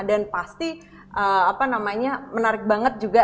dan pasti menarik banget juga